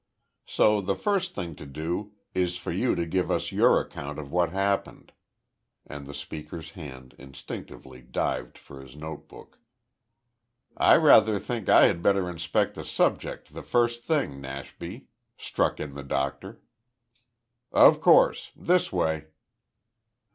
So the first thing to do is for you to give us your account of what happened," and the speaker's hand instinctively dived for his notebook. "I rather think I had better inspect the `subject' the first thing, Nashby," struck in the doctor. "Of course. This way."